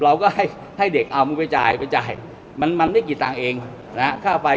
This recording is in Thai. เราก็ให้เด็กเอามึงไปจ่าย